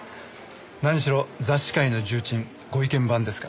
何しろ雑誌界の重鎮ご意見番ですから。